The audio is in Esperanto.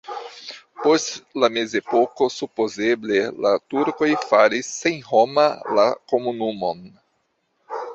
Post la mezepoko supozeble la turkoj faris senhoma la komunumon.